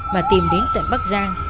mà tìm đến tận bắc giang